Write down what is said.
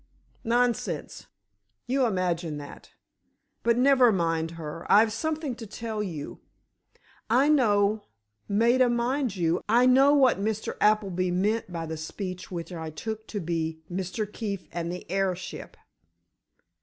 "Nonsense! You imagine that. But never mind her, I've something to tell you. I know—Maida, mind you, I know what Mr. Appleby meant by the speech which I took to be 'Mr. Keefe and the airship.